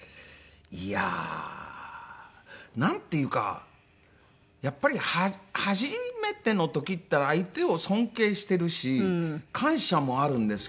いやあなんていうかやっぱり初めての時って相手を尊敬してるし感謝もあるんですけど。